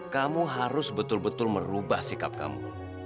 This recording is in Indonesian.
kamu harus betul betul merubah sikap kamu